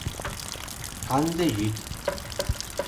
Канде йӱд.